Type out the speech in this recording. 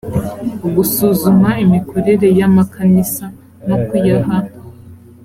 gusuzuma imikorere y amakanisa no kuyaha